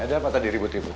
ada apa tadi ribut ribut